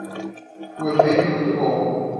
O efeito é muito bom